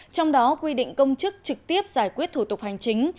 trong đó quy định công chức trực tiếp giải quyết thủ tục hành chính